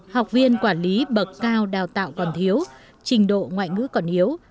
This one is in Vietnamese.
học viên quản lý bậc cao đào tạo còn thiếu trình độ ngoại ngữ còn yếu